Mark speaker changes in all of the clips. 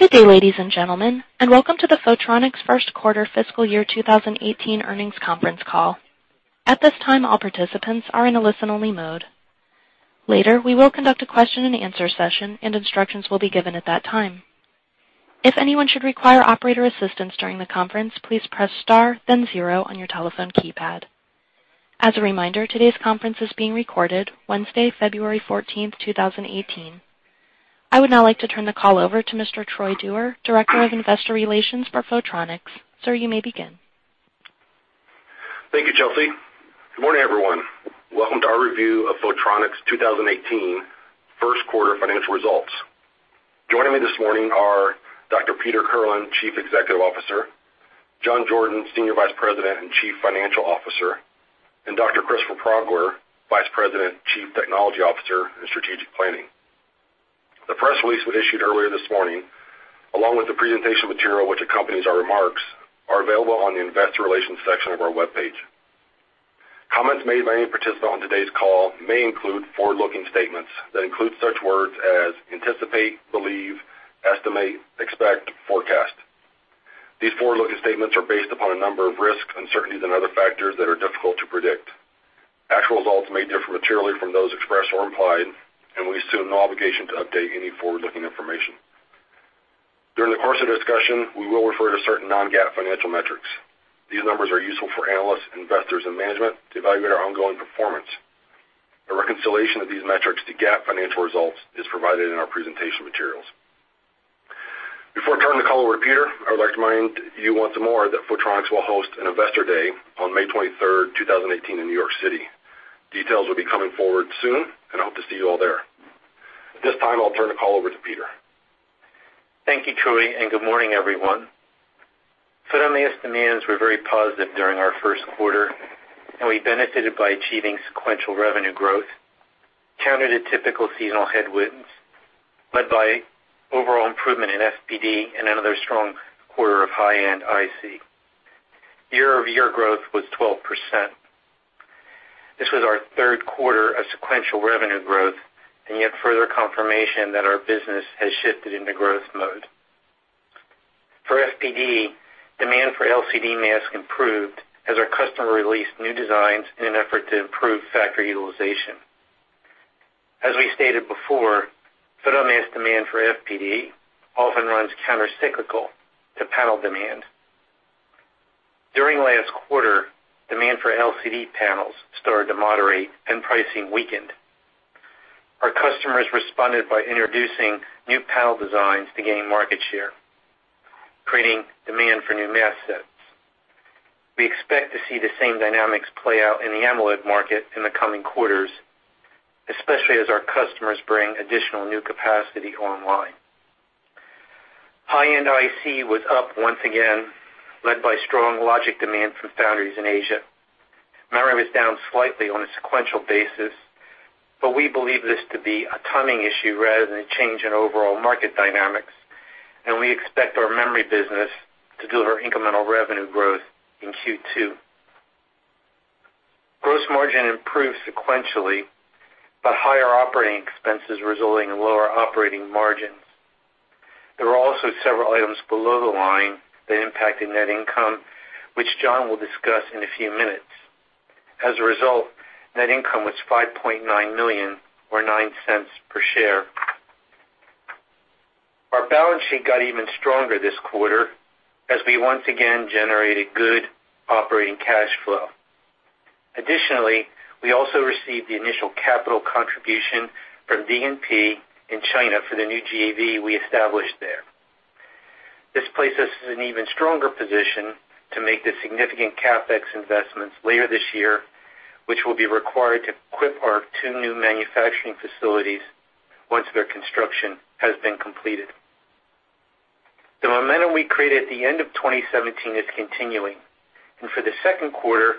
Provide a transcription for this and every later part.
Speaker 1: Good day, ladies and gentlemen, and welcome to the Photronics First Quarter Fiscal Year 2018 Earnings Conference Call. At this time, all participants are in a listen-only mode. Later, we will conduct a question-and-answer session, and instructions will be given at that time. If anyone should require operator assistance during the conference, please press star, then zero on your telephone keypad. As a reminder, today's conference is being recorded, Wednesday, February 14th, 2018. I would now like to turn the call over to Mr. Troy Dewar, Director of Investor Relations for Photronics. Sir, you may begin.
Speaker 2: Thank you, Chelsea. Good morning, everyone. Welcome to our review of Photronics 2018 First Quarter Financial Results. Joining me this morning are Dr. Peter Kirlin, Chief Executive Officer, John Jordan, Senior Vice President and Chief Financial Officer, and Dr. Christopher Progler, Vice President, Chief Technology Officer and Strategic Planning. The press release we issued earlier this morning, along with the presentation material which accompanies our remarks, is available on the Investor Relations section of our webpage. Comments made by any participant on today's call may include forward-looking statements that include such words as anticipate, believe, estimate, expect, forecast. These forward-looking statements are based upon a number of risks, uncertainties, and other factors that are difficult to predict. Actual results may differ materially from those expressed or implied, and we assume no obligation to update any forward-looking information. During the course of the discussion, we will refer to certain non-GAAP financial metrics. These numbers are useful for analysts, investors, and management to evaluate our ongoing performance. A reconciliation of these metrics to GAAP financial results is provided in our presentation materials. Before I turn the call over to Peter, I would like to remind you once more that Photronics will host an Investor Day on May 23rd, 2018, in New York City. Details will be coming forward soon, and I hope to see you all there. At this time, I'll turn the call over to Peter.
Speaker 3: Thank you, Troy, and good morning, everyone. Fab demands were very positive during our first quarter, and we benefited by achieving sequential revenue growth, countered a typical seasonal headwind, led by overall improvement in FPD and another strong quarter of high-end IC. Year-over-year growth was 12%. This was our third quarter of sequential revenue growth, and yet further confirmation that our business has shifted into growth mode. For FPD, demand for LCD masks improved as our customer released new designs in an effort to improve factory utilization. As we stated before, fab demand for FPD often runs countercyclical to panel demand. During the last quarter, demand for LCD panels started to moderate, and pricing weakened. Our customers responded by introducing new panel designs to gain market share, creating demand for new mask sets. We expect to see the same dynamics play out in the AMOLED market in the coming quarters, especially as our customers bring additional new capacity online. High-end IC was up once again, led by strong logic demand from foundries in Asia. Memory was down slightly on a sequential basis, but we believe this to be a timing issue rather than a change in overall market dynamics, and we expect our memory business to deliver incremental revenue growth in Q2. Gross margin improved sequentially, but higher operating expenses resulted in lower operating margins. There were also several items below the line that impacted net income, which John will discuss in a few minutes. As a result, net income was $5.9 million, or $0.09 per share. Our balance sheet got even stronger this quarter as we once again generated good operating cash flow. Additionally, we also received the initial capital contribution from DNP in China for the new JV we established there. This places us in an even stronger position to make the significant CapEx investments later this year, which will be required to equip our two new manufacturing facilities once their construction has been completed. The momentum we created at the end of 2017 is continuing, and for the second quarter,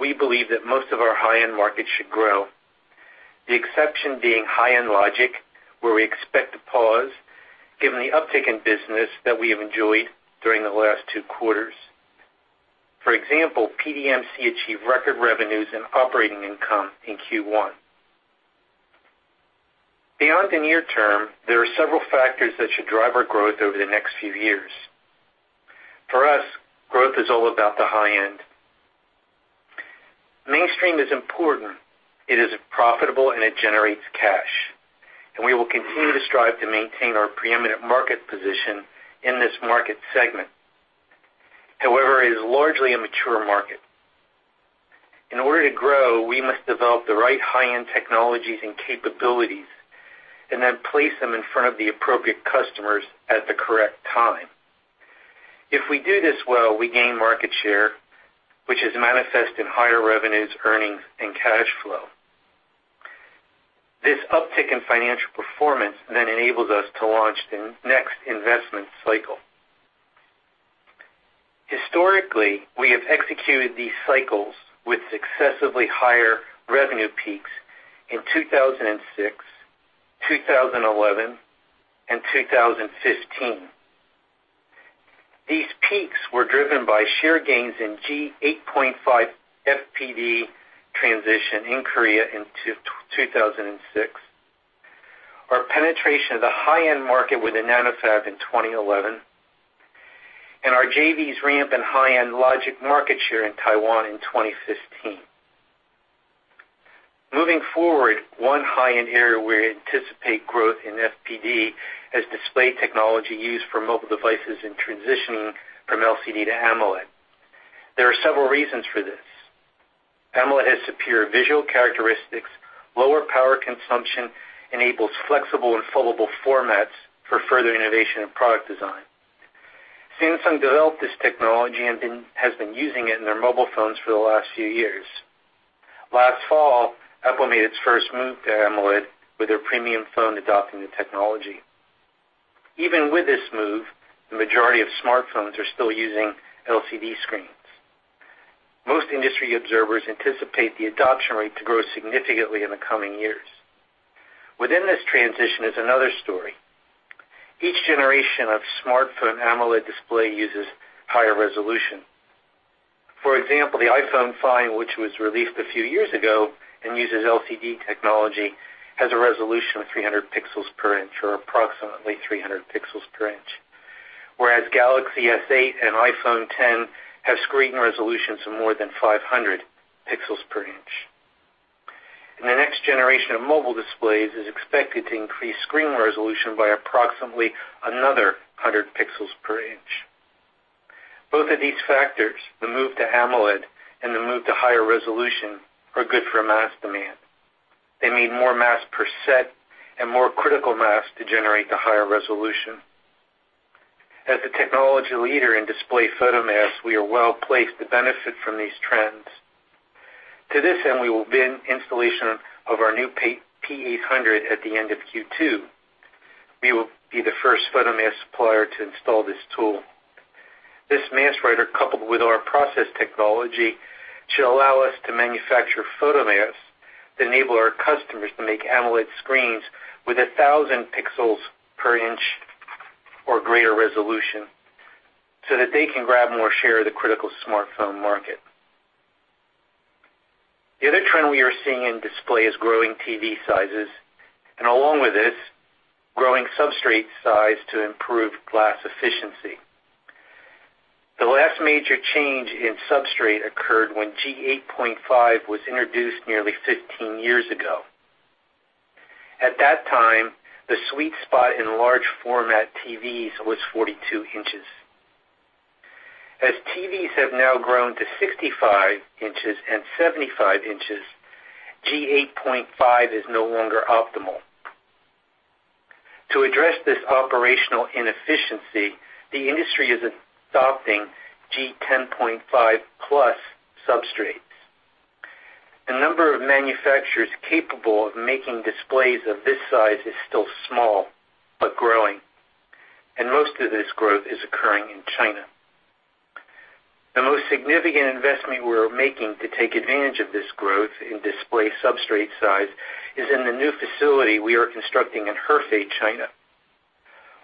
Speaker 3: we believe that most of our high-end market should grow, the exception being high-end logic, where we expect a pause given the uptick in business that we have enjoyed during the last two quarters. For example, PDMC achieved record revenues in operating income in Q1. Beyond the near term, there are several factors that should drive our growth over the next few years. For us, growth is all about the high-end. Mainstream is important. It is profitable, and it generates cash, and we will continue to strive to maintain our preeminent market position in this market segment. However, it is largely a mature market. In order to grow, we must develop the right high-end technologies and capabilities, and then place them in front of the appropriate customers at the correct time. If we do this well, we gain market share, which is manifest in higher revenues, earnings, and cash flow. This uptick in financial performance then enables us to launch the next investment cycle. Historically, we have executed these cycles with successively higher revenue peaks in 2006, 2011, and 2015. These peaks were driven by share gains in G8.5 FPD transition in Korea in 2006, our penetration of the high-end market with the NanoFab in 2011, and our JV's ramp in high-end logic market share in Taiwan in 2015. Moving forward, one high-end area where we anticipate growth in FPD has display technology used for mobile devices and transitioning from LCD to AMOLED. There are several reasons for this. AMOLED has superior visual characteristics, lower power consumption, and enables flexible and foldable formats for further innovation in product design. Samsung developed this technology and has been using it in their mobile phones for the last few years. Last fall, Apple made its first move to AMOLED with their premium phone adopting the technology. Even with this move, the majority of smartphones are still using LCD screens. Most industry observers anticipate the adoption rate to grow significantly in the coming years. Within this transition is another story. Each generation of smartphone AMOLED display uses higher resolution. For example, the iPhone 5, which was released a few years ago and uses LCD technology, has a resolution of 300 pixels per inch, or approximately 300 pixels per inch, whereas Galaxy S8 and iPhone X have screen resolutions of more than 500 pixels per inch. The next generation of mobile displays is expected to increase screen resolution by approximately another 100 pixels per inch. Both of these factors, the move to AMOLED and the move to higher resolution, are good for mask demand. They need more masks per set and more critical masks to generate the higher resolution. As the technology leader in display photomasks, we are well placed to benefit from these trends. To this end, we will begin installation of our new P-800 at the end of Q2. We will be the first photomask supplier to install this tool. This mask writer, coupled with our process technology, should allow us to manufacture photomasks that enable our customers to make AMOLED screens with 1,000 pixels per inch or greater resolution so that they can grab more share of the critical smartphone market. The other trend we are seeing in display is growing TV sizes, and along with this, growing substrate size to improve glass efficiency. The last major change in substrate occurred when G8.5 was introduced nearly 15 years ago. At that time, the sweet spot in large format TVs was 42 inches. As TVs have now grown to 65 inches and 75 inches, G8.5 is no longer optimal. To address this operational inefficiency, the industry is adopting G10.5+ substrates. The number of manufacturers capable of making displays of this size is still small but growing, and most of this growth is occurring in China. The most significant investment we are making to take advantage of this growth in display substrate size is in the new facility we are constructing in Hefei, China.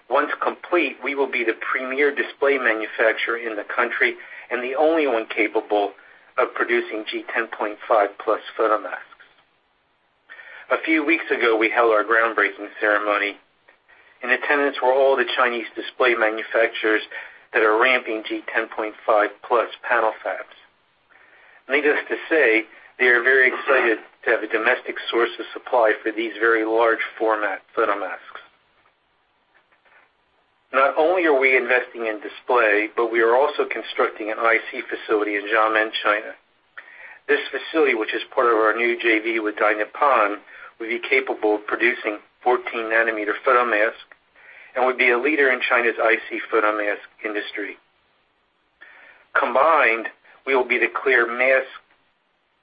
Speaker 3: Once complete, we will be the premier display manufacturer in the country and the only one capable of producing G10.5+ photomasks. A few weeks ago, we held our groundbreaking ceremony, and in attendance were all the Chinese display manufacturers that are ramping G10.5+ panel fabs. Needless to say, they are very excited to have a domestic source of supply for these very large format photomasks. Not only are we investing in display, but we are also constructing an IC facility in Jiangmen, China. This facility, which is part of our new JV with Dai Nippon, will be capable of producing 14-nanometer photomasks and will be a leader in China's IC photomask industry. Combined, we will be the clear mask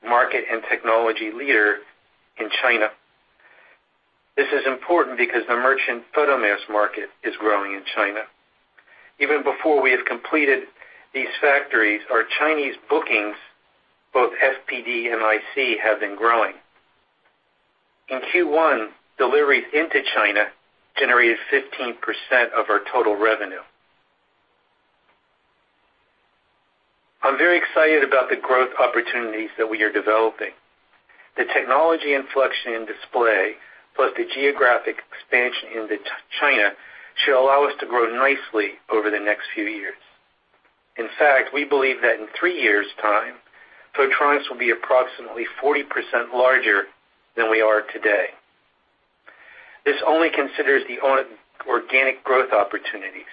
Speaker 3: market and technology leader in China. This is important because the merchant photomask market is growing in China. Even before we have completed these factories, our Chinese bookings, both FPD and IC, have been growing. In Q1, deliveries into China generated 15% of our total revenue. I'm very excited about the growth opportunities that we are developing. The technology inflection in display, plus the geographic expansion into China, should allow us to grow nicely over the next few years. In fact, we believe that in three years' time, Photronics will be approximately 40% larger than we are today. This only considers the organic growth opportunities.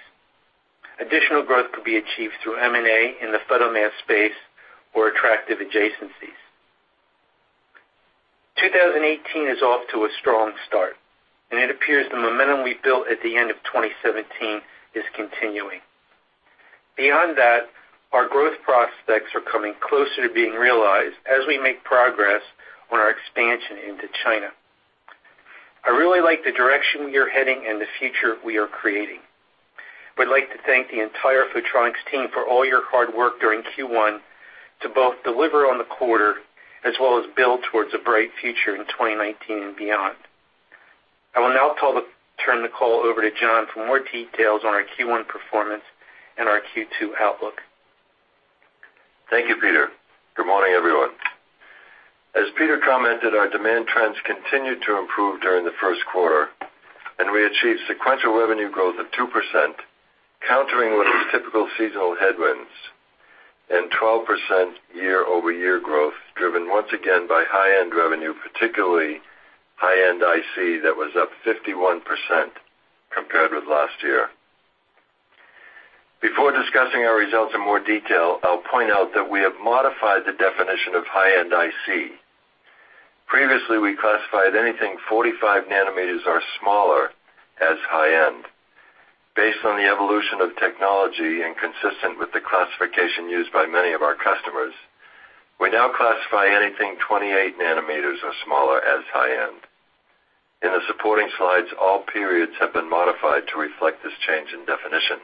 Speaker 3: Additional growth could be achieved through M&A in the photomask space or attractive adjacencies. 2018 is off to a strong start, and it appears the momentum we built at the end of 2017 is continuing. Beyond that, our growth prospects are coming closer to being realized as we make progress on our expansion into China. I really like the direction we are heading and the future we are creating. I would like to thank the entire Photronics team for all your hard work during Q1 to both deliver on the quarter as well as build towards a bright future in 2019 and beyond. I will now turn the call over to John for more details on our Q1 performance and our Q2 outlook.
Speaker 2: Thank you, Peter. Good morning, everyone. As Peter commented, our demand trends continued to improve during the first quarter, and we achieved sequential revenue growth of 2%, countering what was typical seasonal headwinds, and 12% year-over-year growth driven once again by high-end revenue, particularly high-end IC that was up 51% compared with last year. Before discussing our results in more detail, I'll point out that we have modified the definition of high-end IC. Previously, we classified anything 45 nanometers or smaller as high-end. Based on the evolution of technology and consistent with the classification used by many of our customers, we now classify anything 28 nanometers or smaller as high-end. In the supporting slides, all periods have been modified to reflect this change in definition.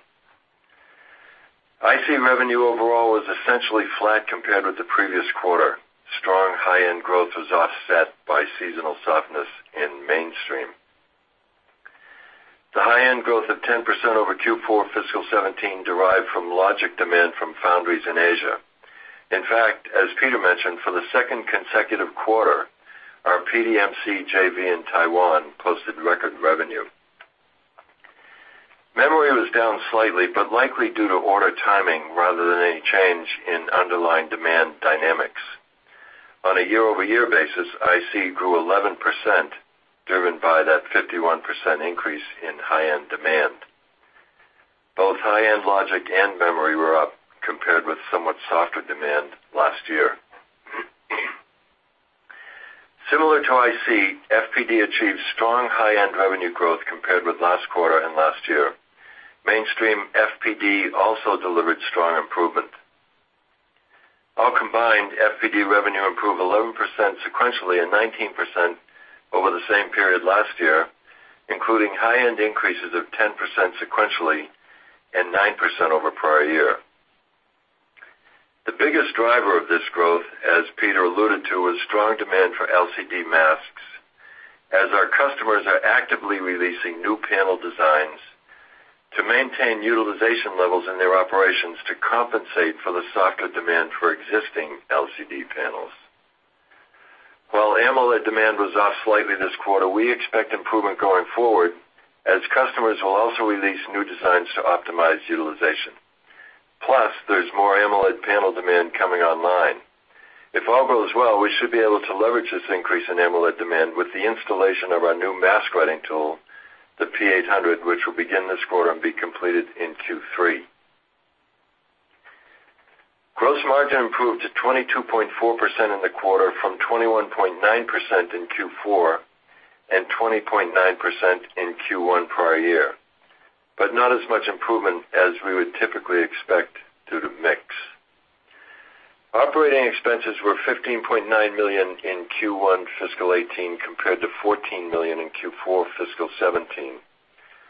Speaker 2: IC revenue overall was essentially flat compared with the previous quarter. Strong high-end growth was offset by seasonal softness in mainstream. The high-end growth of 10% over Q4 fiscal 2017 derived from logic demand from foundries in Asia. In fact, as Peter mentioned, for the second consecutive quarter, our PDMC JV in Taiwan posted record revenue. Memory was down slightly, but likely due to order timing rather than any change in underlying demand dynamics. On a year-over-year basis, IC grew 11% driven by that 51% increase in high-end demand. Both high-end logic and memory were up compared with somewhat softer demand last year. Similar to IC, FPD achieved strong high-end revenue growth compared with last quarter and last year. Mainstream FPD also delivered strong improvement. All combined, FPD revenue improved 11% sequentially and 19% over the same period last year, including high-end increases of 10% sequentially and 9% over prior year. The biggest driver of this growth, as Peter alluded to, was strong demand for LCD masks, as our customers are actively releasing new panel designs to maintain utilization levels in their operations to compensate for the softer demand for existing LCD panels. While AMOLED demand was off slightly this quarter, we expect improvement going forward, as customers will also release new designs to optimize utilization. Plus, there's more AMOLED panel demand coming online. If all goes well, we should be able to leverage this increase in AMOLED demand with the installation of our new mask writing tool, the P800, which will begin this quarter and be completed in Q3. Gross margin improved to 22.4% in the quarter from 21.9% in Q4 and 20.9% in Q1 prior year, but not as much improvement as we would typically expect due to mix. Operating expenses were $15.9 million in Q1 fiscal 2018 compared to $14 million in Q4 fiscal 2017.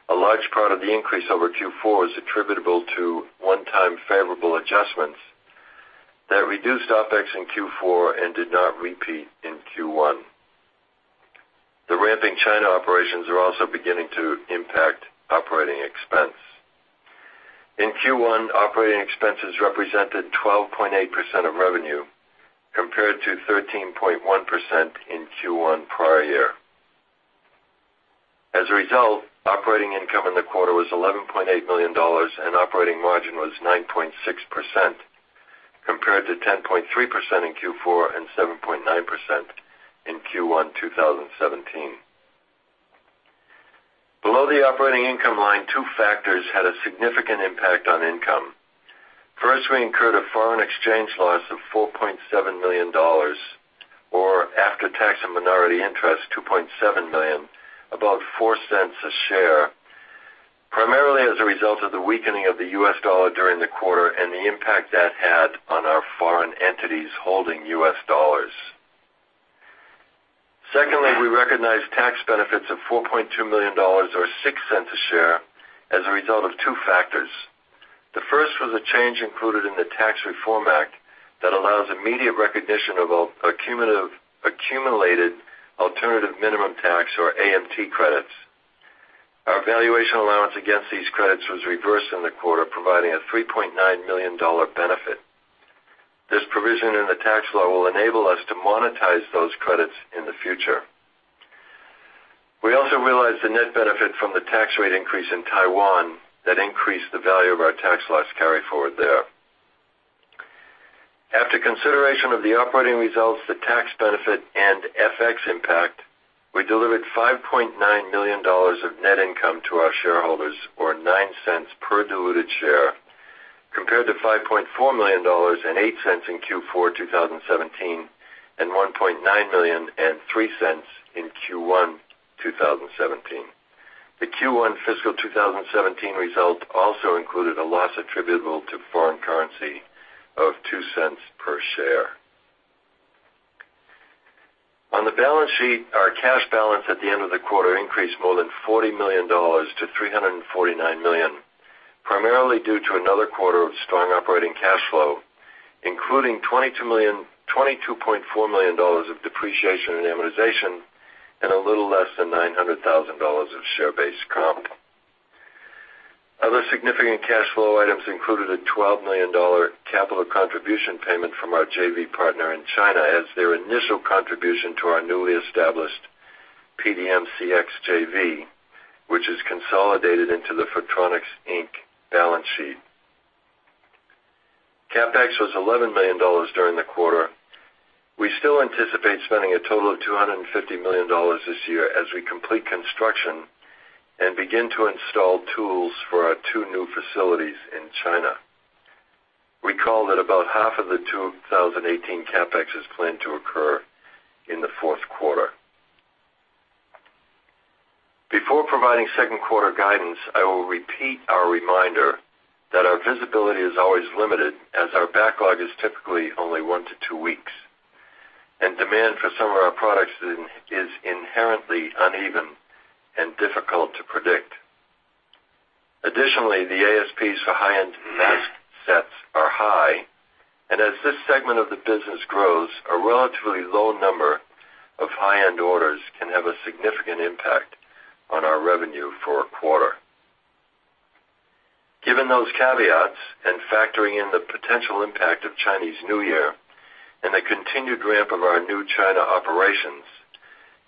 Speaker 2: A large part of the increase over Q4 is attributable to one-time favorable adjustments that reduced OpEx in Q4 and did not repeat in Q1. The ramping China operations are also beginning to impact operating expense. In Q1, operating expenses represented 12.8% of revenue compared to 13.1% in Q1 prior year. As a result, operating income in the quarter was $11.8 million, and operating margin was 9.6% compared to 10.3% in Q4 and 7.9% in Q1 2017. Below the operating income line, two factors had a significant impact on income. First, we incurred a foreign exchange loss of $4.7 million, or after-tax and minority interest $2.7 million, about $0.04 a share, primarily as a result of the weakening of the US dollar during the quarter and the impact that had on our foreign entities holding US dollars. Secondly, we recognized tax benefits of $4.2 million, or $0.06 a share, as a result of two factors. The first was a change included in the Tax Reform Act that allows immediate recognition of accumulated alternative minimum tax, or AMT, credits. Our valuation allowance against these credits was reversed in the quarter, providing a $3.9 million benefit. This provision in the tax law will enable us to monetize those credits in the future. We also realized the net benefit from the tax rate increase in Taiwan that increased the value of our tax loss carry forward there. After consideration of the operating results, the tax benefit, and FX impact, we delivered $5.9 million of net income to our shareholders, or $0.09 per diluted share, compared to $5.4 million and $0.08 in Q4 2017 and $1.9 million and $0.03 in Q1 2017. The Q1 fiscal 2017 result also included a loss attributable to foreign currency of $0.02 per share. On the balance sheet, our cash balance at the end of the quarter increased more than $40 million to $349 million, primarily due to another quarter of strong operating cash flow, including $22.4 million of depreciation and amortization and a little less than $900,000 of share-based comp. Other significant cash flow items included a $12 million capital contribution payment from our JV partner in China as their initial contribution to our newly established PDMCX JV, which is consolidated into the Photronics Inc. balance sheet. CapEx was $11 million during the quarter. We still anticipate spending a total of $250 million this year as we complete construction and begin to install tools for our two new facilities in China. Recall that about half of the 2018 CapEx is planned to occur in the fourth quarter. Before providing second quarter guidance, I will repeat our reminder that our visibility is always limited as our backlog is typically only one to two weeks, and demand for some of our products is inherently uneven and difficult to predict. Additionally, the ASPs for high-end mask sets are high, and as this segment of the business grows, a relatively low number of high-end orders can have a significant impact on our revenue for a quarter. Given those caveats and factoring in the potential impact of Chinese New Year and the continued ramp of our new China operations,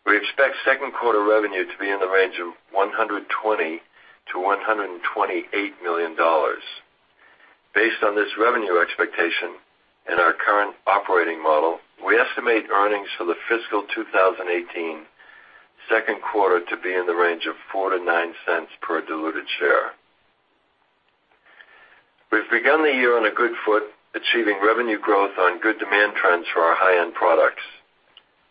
Speaker 2: we expect second quarter revenue to be in the range of $120-$128 million. Based on this revenue expectation and our current operating model, we estimate earnings for the fiscal 2018 second quarter to be in the range of $0.04-$0.09 per diluted share. We've begun the year on a good foot, achieving revenue growth on good demand trends for our high-end products.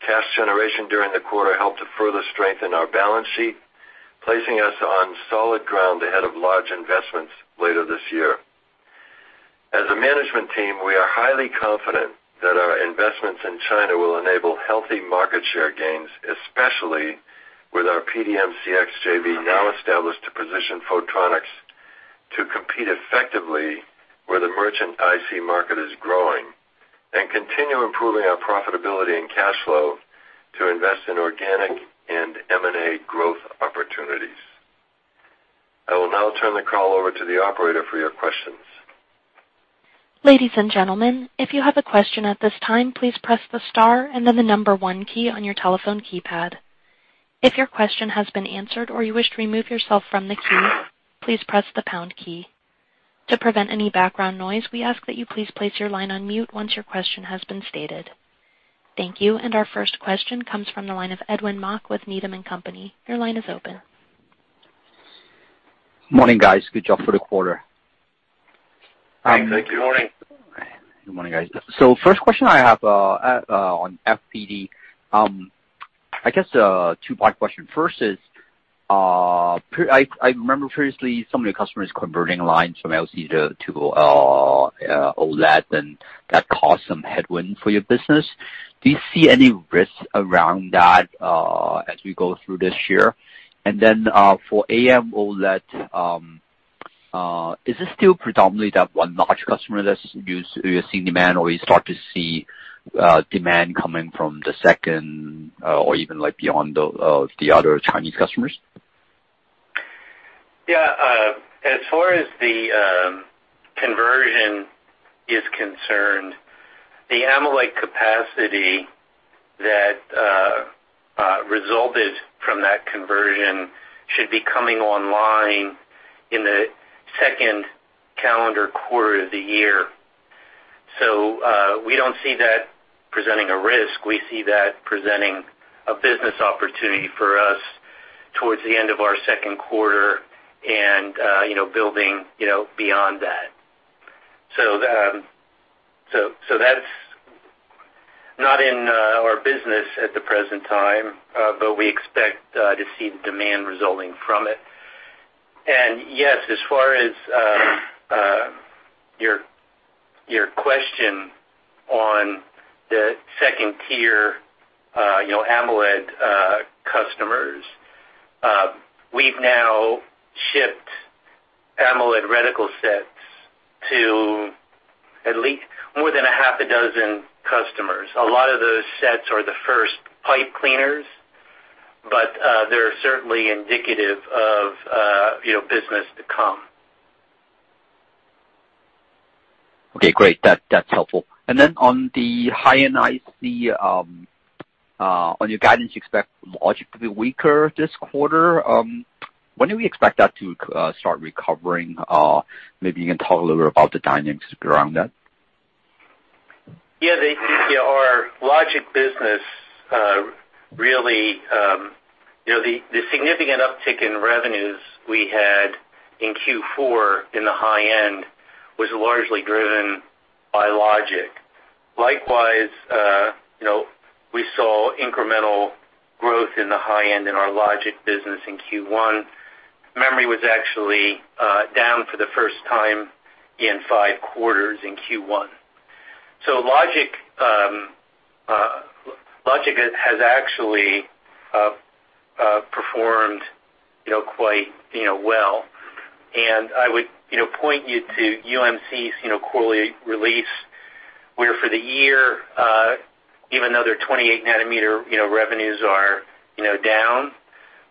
Speaker 2: Cash generation during the quarter helped to further strengthen our balance sheet, placing us on solid ground ahead of large investments later this year. As a management team, we are highly confident that our investments in China will enable healthy market share gains, especially with our PDMCX JV now established to position Photronics to compete effectively where the merchant IC market is growing and continue improving our profitability and cash flow to invest in organic and M&A growth opportunities. I will now turn the call over to the operator for your questions.
Speaker 1: Ladies and gentlemen, if you have a question at this time, please press the star and then the number one key on your telephone keypad. If your question has been answered or you wish to remove yourself from the queue, please press the pound key. To prevent any background noise, we ask that you please place your line on mute once your question has been stated. Thank you, and our first question comes from the line of Edwin Mock with Needham & Company. Your line is open.
Speaker 4: Morning, guys. Good job for the quarter.
Speaker 3: Good morning.
Speaker 4: Good morning, guys. So first question I have on FPD, I guess a two-part question. First is, I remember previously some of your customers converting lines from LCD to OLED, and that caused some headwind for your business. Do you see any risks around that as we go through this year? And then for AMOLED, is it still predominantly that one large customer that's used to seeing demand, or you start to see demand coming from the second or even beyond the other Chinese customers?
Speaker 3: Yeah. As far as the conversion is concerned, the AMOLED capacity that resulted from that conversion should be coming online in the second calendar quarter of the year. So we don't see that presenting a risk. We see that presenting a business opportunity for us towards the end of our second quarter and building beyond that. So that's not in our business at the present time, but we expect to see the demand resulting from it. And yes, as far as your question on the second-tier AMOLED customers, we've now shipped AMOLED reticle sets to more than a half a dozen customers. A lot of those sets are the first pipe cleaners, but they're certainly indicative of business to come.
Speaker 4: Okay. Great. That's helpful. And then on the high-end IC, on your guidance, you expect logic to be weaker this quarter. When do we expect that to start recovering? Maybe you can talk a little bit about the dynamics around that.
Speaker 3: Yeah. Our logic business really, the significant uptick in revenues we had in Q4 in the high-end was largely driven by logic. Likewise, we saw incremental growth in the high-end in our logic business in Q1. Memory was actually down for the first time in five quarters in Q1, so logic has actually performed quite well, and I would point you to UMC's quarterly release, where for the year, even though their 28-nanometer revenues are down,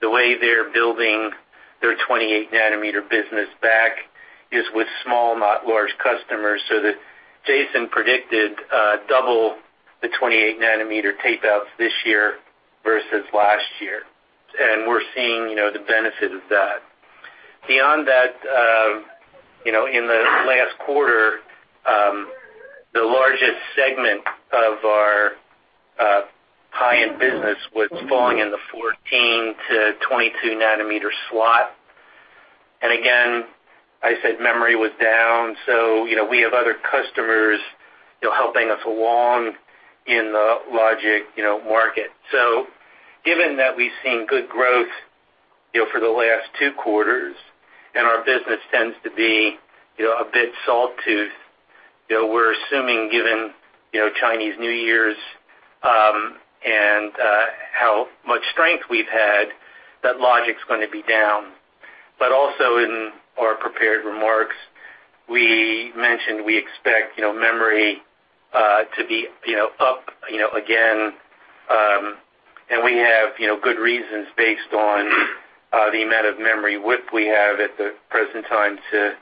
Speaker 3: the way they're building their 28-nanometer business back is with small, not large customers, so that Jason predicted double the 28-nanometer tape-outs this year versus last year. And we're seeing the benefit of that. Beyond that, in the last quarter, the largest segment of our high-end business was falling in the 14-22-nanometer slot, and again, I said memory was down, so we have other customers helping us along in the logic market. So given that we've seen good growth for the last two quarters and our business tends to be a bit sawtooth, we're assuming, given Chinese New Year's and how much strength we've had, that logic's going to be down. But also in our prepared remarks, we mentioned we expect memory to be up again, and we have good reasons based on the amount of memory WIP we have at the present time to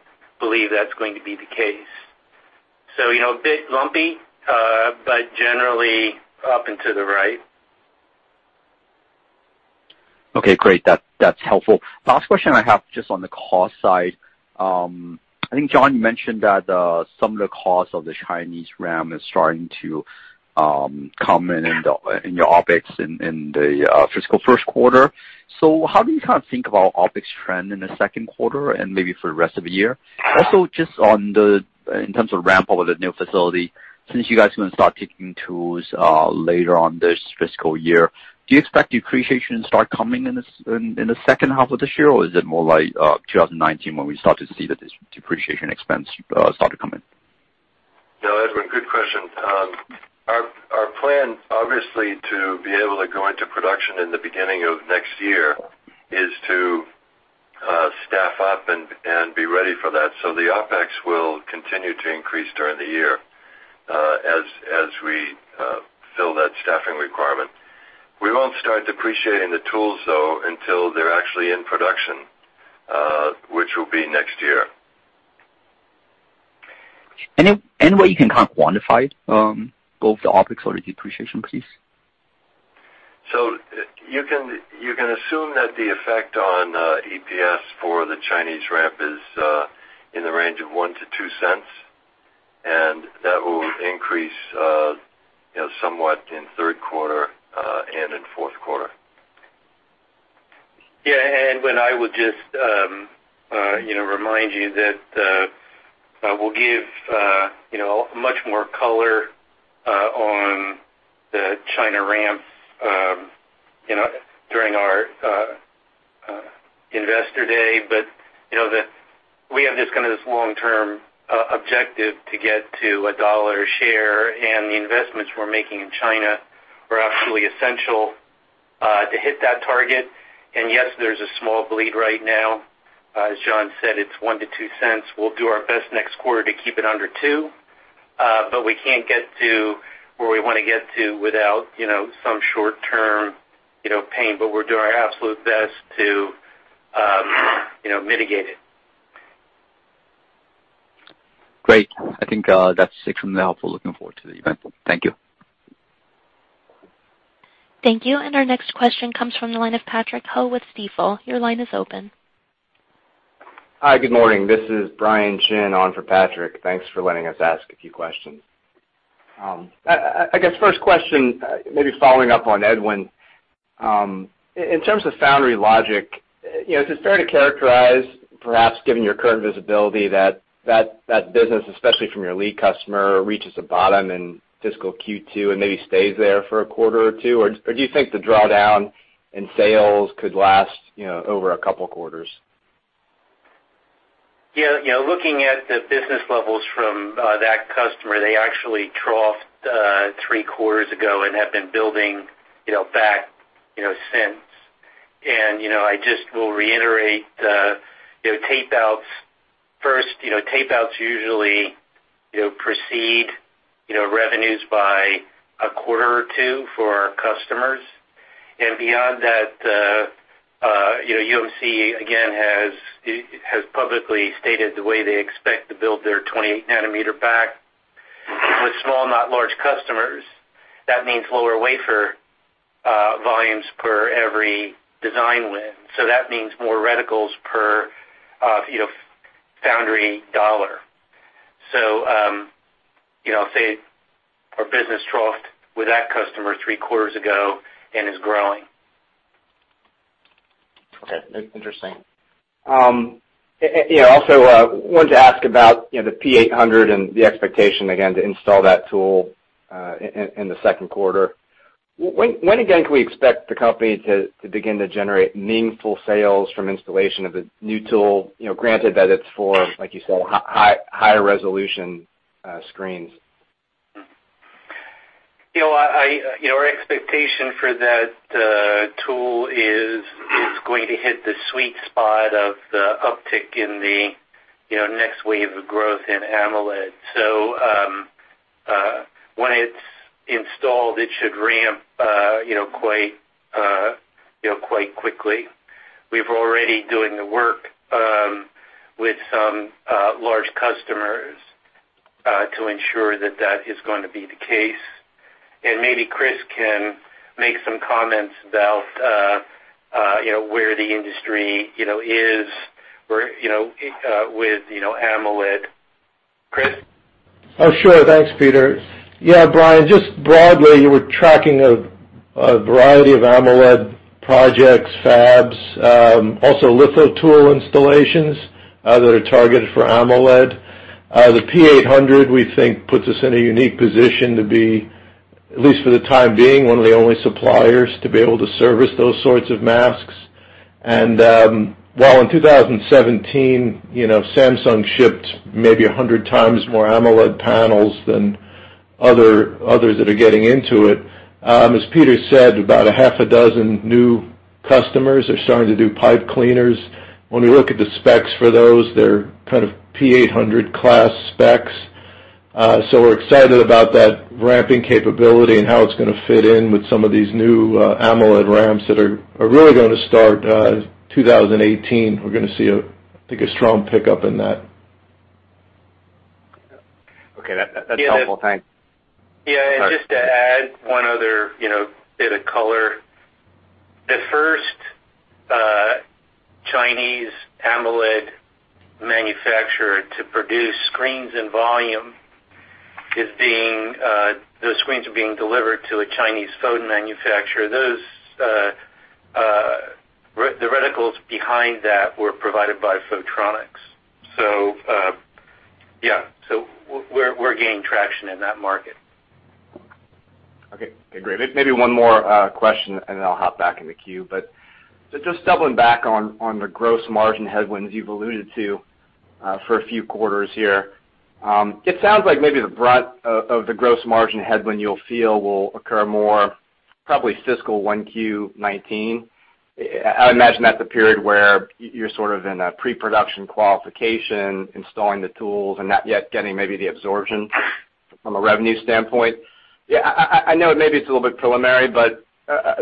Speaker 3: believe that's going to be the case. So a bit lumpy, but generally up and to the right.
Speaker 4: Okay. Great. That's helpful. Last question I have just on the cost side. I think John mentioned that some of the cost of the Chinese ramp is starting to come in your OpEx in the fiscal first quarter. So how do you kind of think about OpEx trend in the second quarter and maybe for the rest of the year? Also, just in terms of ramp up of the new facility, since you guys are going to start taking tools later on this fiscal year, do you expect depreciation to start coming in the second half of this year, or is it more like 2019 when we start to see the depreciation expense start to come in?
Speaker 3: No, Edwin, good question. Our plan, obviously, to be able to go into production in the beginning of next year is to staff up and be ready for that. So the OpEx will continue to increase during the year as we fill that staffing requirement. We won't start depreciating the tools, though, until they're actually in production, which will be next year.
Speaker 4: Any way you can kind of quantify both the OpEx or the depreciation, please?
Speaker 3: You can assume that the effect on EPS for the Chinese ramp is in the range of $0.01-$0.02, and that will increase somewhat in third quarter and in fourth quarter. Yeah. And Edwin, I would just remind you that we'll give much more color on the China ramps during our investor day, but we have this kind of long-term objective to get to a dollar share, and the investments we're making in China are absolutely essential to hit that target. And yes, there's a small bleed right now. As John said, it's $0.01-$0.02. We'll do our best next quarter to keep it under $0.02, but we can't get to where we want to get to without some short-term pain, but we're doing our absolute best to mitigate it.
Speaker 4: Great. I think that's extremely helpful. Looking forward to the event. Thank you.
Speaker 1: Thank you. And our next question comes from the line of Patrick Ho with Stifel. Your line is open.
Speaker 5: Hi. Good morning. This is Brian Chin, on for Patrick. Thanks for letting us ask a few questions. I guess first question, maybe following up on Edwin, in terms of foundry logic, is it fair to characterize, perhaps given your current visibility, that that business, especially from your lead customer, reaches the bottom in fiscal Q2 and maybe stays there for a quarter or two? Or do you think the drawdown in sales could last over a couple of quarters?
Speaker 3: Yeah. Looking at the business levels from that customer, they actually troughed three quarters ago and have been building back since. And I just will reiterate tape-outs. First, tape-outs usually precede revenues by a quarter or two for our customers. And beyond that, UMC, again, has publicly stated the way they expect to build their 28-nanometer back. With small, not large customers, that means lower wafer volumes per every design win. So that means more reticles per foundry dollar. So say our business troughed with that customer three quarters ago and is growing.
Speaker 5: Okay. That's interesting. Yeah. Also, wanted to ask about the P800 and the expectation, again, to install that tool in the second quarter. When again can we expect the company to begin to generate meaningful sales from installation of the new tool, granted that it's for, like you said, higher resolution screens?
Speaker 3: Our expectation for that tool is going to hit the sweet spot of the uptick in the next wave of growth in AMOLED, so when it's installed, it should ramp quite quickly. We've already been doing the work with some large customers to ensure that that is going to be the case, and maybe Chris can make some comments about where the industry is with AMOLED. Chris?
Speaker 6: Oh, sure. Thanks, Peter. Yeah, Brian, just broadly, we're tracking a variety of AMOLED projects, fabs, also lithotool installations that are targeted for AMOLED. The P800, we think, puts us in a unique position to be, at least for the time being, one of the only suppliers to be able to service those sorts of masks. And while in 2017, Samsung shipped maybe 100 times more AMOLED panels than others that are getting into it, as Peter said, about a half a dozen new customers are starting to do pipe cleaners. When we look at the specs for those, they're kind of P800 class specs. So we're excited about that ramping capability and how it's going to fit in with some of these new AMOLED ramps that are really going to start 2018. We're going to see, I think, a strong pickup in that.
Speaker 5: Okay. That's helpful. Thanks.
Speaker 3: Yeah, and just to add one other bit of color, the first Chinese AMOLED manufacturer to produce screens in volume is BOE, those screens are being delivered to a Chinese phone manufacturer. The reticles behind that were provided by Photronics. So yeah, so we're gaining traction in that market.
Speaker 5: Okay. Great. Maybe one more question, and then I'll hop back in the queue. But just doubling back on the gross margin headwinds you've alluded to for a few quarters here, it sounds like maybe the brunt of the gross margin headwind you'll feel will occur more probably fiscal 1Q19. I imagine that's a period where you're sort of in a pre-production qualification, installing the tools, and not yet getting maybe the absorption from a revenue standpoint. Yeah. I know maybe it's a little bit preliminary, but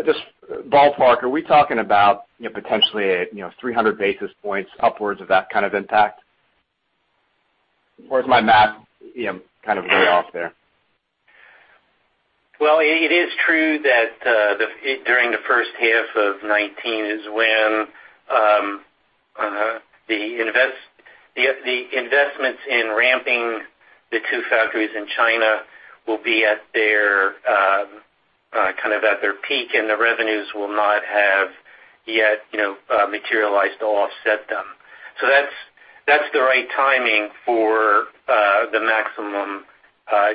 Speaker 5: just ballpark, are we talking about potentially 300 basis points upwards of that kind of impact? Or is my math kind of way off there?
Speaker 3: It is true that during the first half of 2019 is when the investments in ramping the two factories in China will be at their kind of peak, and the revenues will not have yet materialized to offset them. That's the right timing for the maximum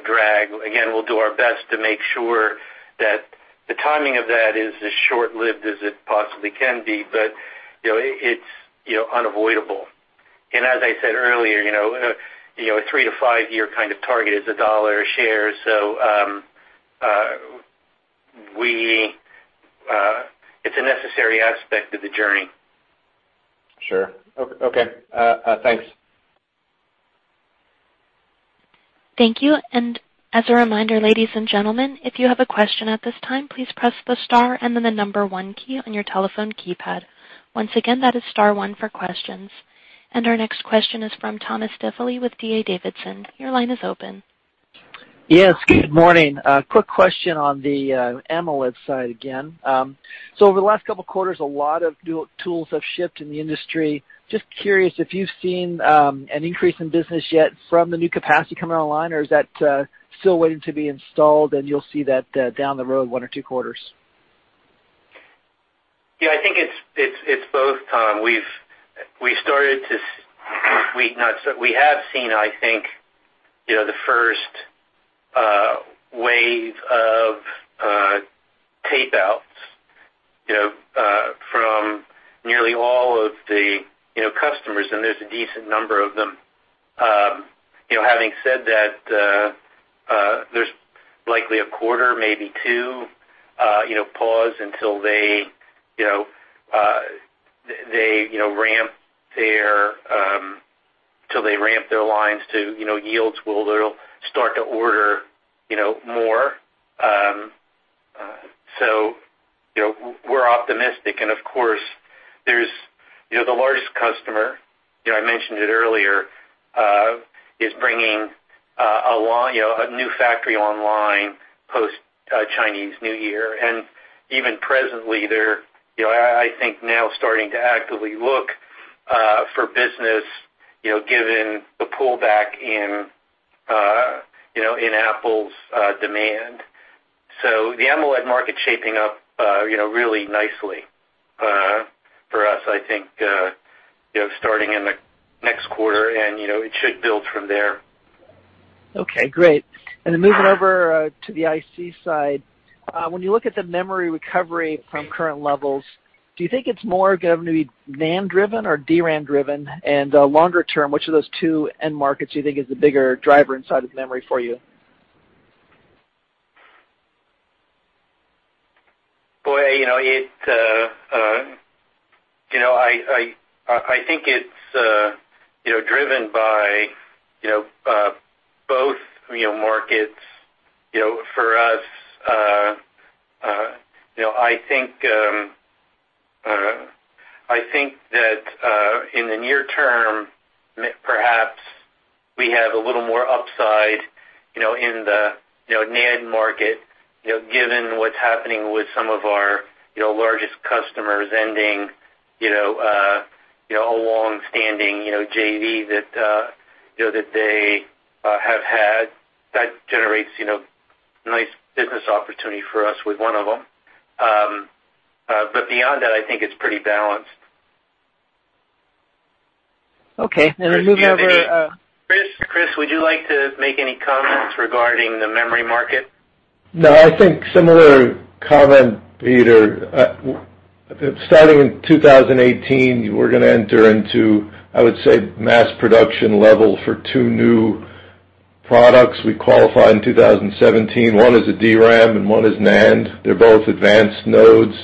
Speaker 3: drag. Again, we'll do our best to make sure that the timing of that is as short-lived as it possibly can be, but it's unavoidable. And as I said earlier, a three-to-five-year kind of target is $1 a share. It's a necessary aspect of the journey.
Speaker 5: Sure. Okay. Thanks.
Speaker 1: Thank you. And as a reminder, ladies and gentlemen, if you have a question at this time, please press the star and then the number one key on your telephone keypad. Once again, that is star one for questions. And our next question is from Thomas Diffely with D.A. Davidson. Your line is open.
Speaker 7: Yes. Good morning. Quick question on the AMOLED side again. So over the last couple of quarters, a lot of new tools have shipped in the industry. Just curious if you've seen an increase in business yet from the new capacity coming online, or is that still waiting to be installed, and you'll see that down the road one or two quarters?
Speaker 3: Yeah. I think it's both, Tom. We've started to. We have seen, I think, the first wave of tape-outs from nearly all of the customers, and there's a decent number of them. Having said that, there's likely a quarter, maybe two, pause until they ramp their lines to yields where they'll start to order more. So we're optimistic. And of course, the largest customer, I mentioned it earlier, is bringing a new factory online post-Chinese New Year. And even presently, I think now starting to actively look for business given the pullback in Apple's demand. So the AMOLED market's shaping up really nicely for us, I think, starting in the next quarter, and it should build from there.
Speaker 7: Okay. Great. And then moving over to the IC side, when you look at the memory recovery from current levels, do you think it's more going to be NAND-driven or DRAM-driven? And longer term, which of those two end markets do you think is the bigger driver inside of memory for you?
Speaker 3: Boy, I think it's driven by both markets. For us, I think that in the near term, perhaps we have a little more upside in the NAND market given what's happening with some of our largest customers ending a long-standing JV that they have had. That generates a nice business opportunity for us with one of them. But beyond that, I think it's pretty balanced.
Speaker 7: Okay. And then moving over.
Speaker 3: Chris, would you like to make any comments regarding the memory market?
Speaker 6: No, I think similar comment, Peter. Starting in 2018, we're going to enter into, I would say, mass production level for two new products we qualified in 2017. One is a DRAM, and one is NAND. They're both advanced nodes.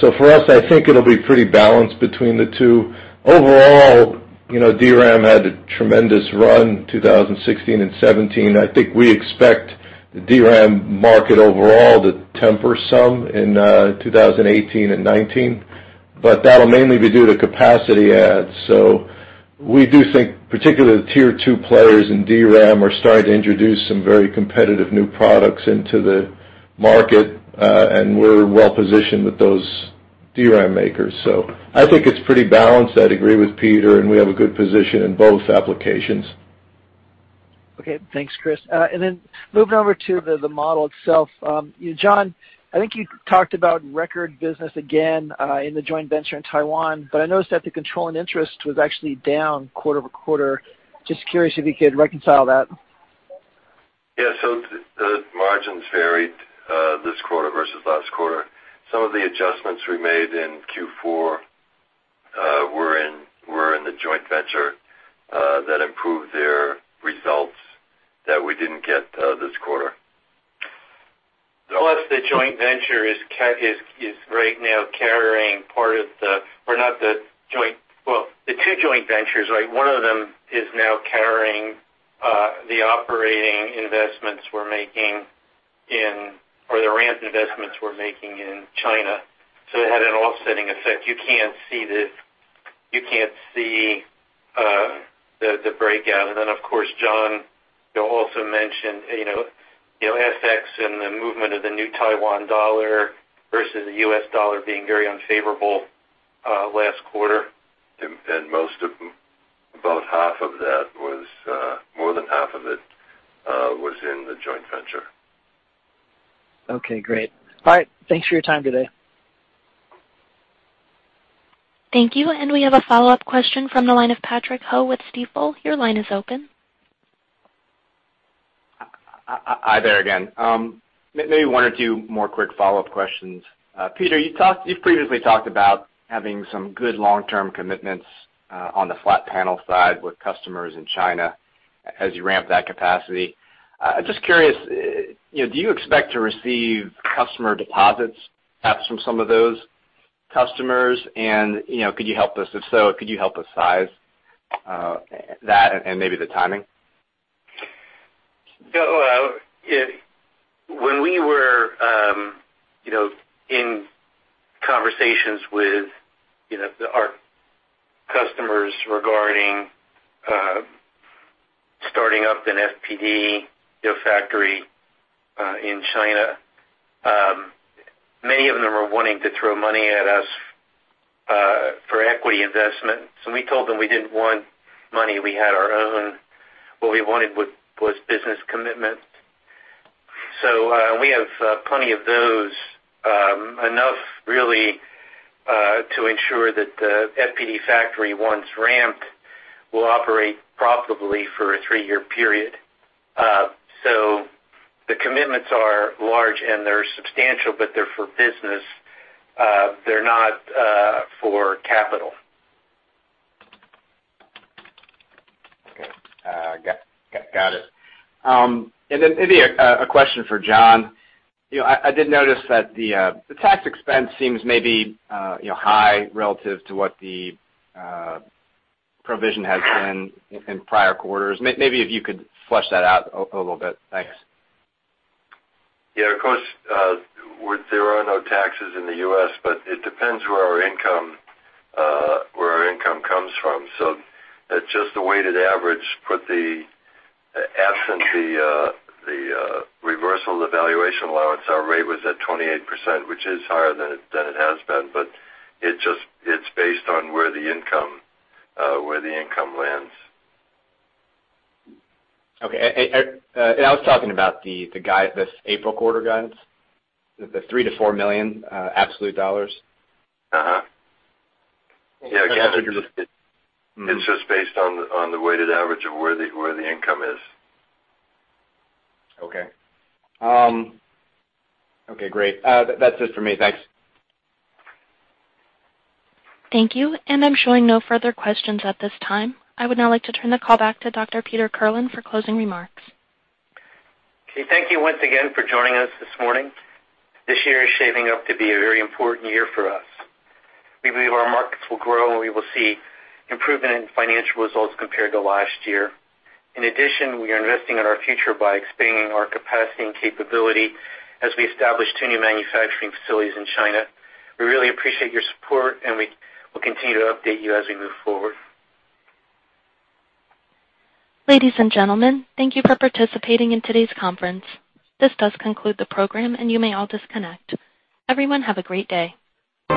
Speaker 6: So for us, I think it'll be pretty balanced between the two. Overall, DRAM had a tremendous run in 2016 and 2017. I think we expect the DRAM market overall to temper some in 2018 and 2019, but that'll mainly be due to capacity adds. So we do think particularly the tier two players in DRAM are starting to introduce some very competitive new products into the market, and we're well-positioned with those DRAM makers. So I think it's pretty balanced. I'd agree with Peter, and we have a good position in both applications.
Speaker 7: Okay. Thanks, Chris. And then moving over to the model itself, John, I think you talked about record business again in the joint venture in Taiwan, but I noticed that the control and interest was actually down quarter to quarter. Just curious if you could reconcile that?
Speaker 8: Yeah. So the margins varied this quarter versus last quarter. Some of the adjustments we made in Q4 were in the joint venture that improved their results that we didn't get this quarter.
Speaker 3: Plus, the joint venture is right now carrying part of the, well, the two joint ventures, right? One of them is now carrying the ramp investments we're making in China. So it had an offsetting effect. You can't see the breakout. And then, of course, John also mentioned FX and the movement of the new Taiwan dollar versus the US dollar being very unfavorable last quarter.
Speaker 8: And most of them, about half of that was, more than half of it was in the joint venture.
Speaker 7: Okay. Great. All right. Thanks for your time today.
Speaker 1: Thank you. And we have a follow-up question from the line of Patrick Ho with Stifel. Your line is open.
Speaker 5: Hi there again. Maybe one or two more quick follow-up questions. Peter, you've previously talked about having some good long-term commitments on the flat panel side with customers in China as you ramp that capacity. I'm just curious, do you expect to receive customer deposits from some of those customers? And could you help us? If so, could you help us size that and maybe the timing?
Speaker 3: When we were in conversations with our customers regarding starting up an FPD factory in China, many of them were wanting to throw money at us for equity investments, and we told them we didn't want money. We had our own. What we wanted was business commitments, so we have plenty of those, enough really to ensure that the FPD factory, once ramped, will operate profitably for a three-year period, so the commitments are large, and they're substantial, but they're for business. They're not for capital.
Speaker 5: Okay. Got it. And then maybe a question for John. I did notice that the tax expense seems maybe high relative to what the provision has been in prior quarters. Maybe if you could flesh that out a little bit. Thanks.
Speaker 8: Yeah. Of course, there are no taxes in the U.S., but it depends where our income comes from. So just the weighted average put us at, absent the reversal of the valuation allowance, our rate was at 28%, which is higher than it has been, but it's based on where the income lands.
Speaker 5: Okay. And I was talking about this April quarter guidance, the $3 million-$4 million absolute dollars.
Speaker 8: Yeah. Again, it's just based on the weighted average of where the income is.
Speaker 5: Okay. Okay. Great. That's it for me. Thanks.
Speaker 1: Thank you. And I'm showing no further questions at this time. I would now like to turn the call back to Dr. Peter Kirlin for closing remarks.
Speaker 3: Okay. Thank you once again for joining us this morning. This year is shaping up to be a very important year for us. We believe our markets will grow, and we will see improvement in financial results compared to last year. In addition, we are investing in our future by expanding our capacity and capability as we establish two new manufacturing facilities in China. We really appreciate your support, and we will continue to update you as we move forward.
Speaker 1: Ladies and gentlemen, thank you for participating in today's conference. This does conclude the program, and you may all disconnect. Everyone, have a great day.